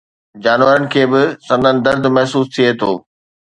جانورن کي به سندن درد محسوس ٿئي ٿو